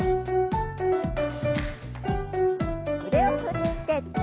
腕を振って。